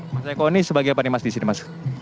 mas eko ini sebagai apa nih mas di sini mas